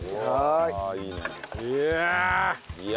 いや！